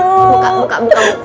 buka buka buka